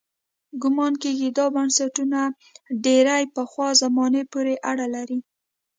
ګومان کېږي دا بنسټونه ډېرې پخوا زمانې پورې اړه لري.